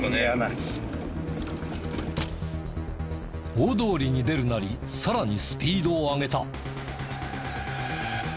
大通りに出るなりさらにスピードを上げた。